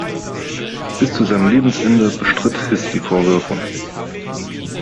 Bis zu seinem Lebensende bestritt Hiss die Vorwürfe.